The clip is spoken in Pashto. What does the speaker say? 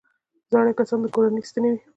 زاړه کسان د کورنۍ ستنې وي